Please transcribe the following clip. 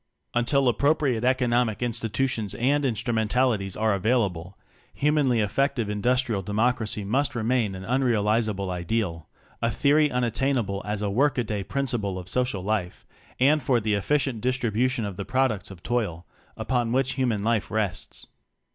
Until appropriate economic institu tions and instrumentalities are avail able, humanly effective Industrial De mocracy must remain an unrealizable ideal, a theory unattainable as a work a day principle of social life, and for the efficient distribution of the pro ducts of toil, upon which human life rests.